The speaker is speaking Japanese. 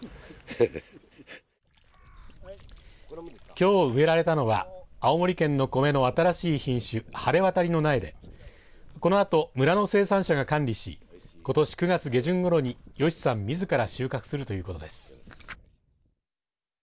きょう植えられたのは青森県の米の新しい品種はれわたりの苗で村の生産者が管理しことし９月下旬ごろに吉さんみずから収穫するということです。